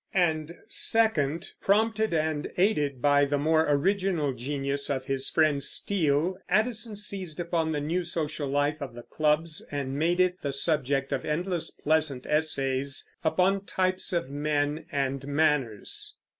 And second, prompted and aided by the more original genius of his friend Steele, Addison seized upon the new social life of the clubs and made it the subject of endless pleasant essays upon types of men and manners.